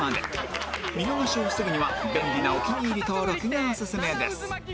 見逃しを防ぐには便利なお気に入り登録がおすすめです